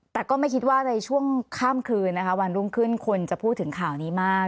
แต่ก็ไม่คิดว่าในช่วงข้ามคืนนะคะวันรุ่งขึ้นคนจะพูดถึงข่าวนี้มาก